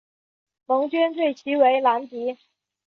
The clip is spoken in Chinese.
盟军对其为兰迪。